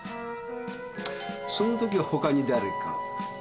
その時はほかにだれか？